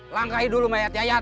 langkai dulu mayat yayat